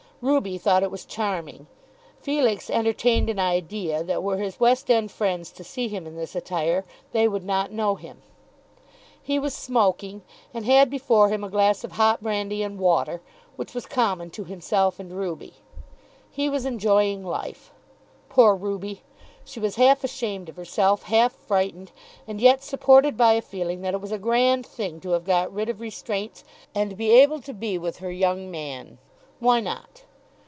Ruby thought it was charming. Felix entertained an idea that were his West End friends to see him in this attire they would not know him. He was smoking, and had before him a glass of hot brandy and water, which was common to himself and Ruby. He was enjoying life. Poor Ruby! She was half ashamed of herself, half frightened, and yet supported by a feeling that it was a grand thing to have got rid of restraints, and be able to be with her young man. Why not?